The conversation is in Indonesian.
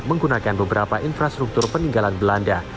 menggunakan beberapa infrastruktur peninggalan belanda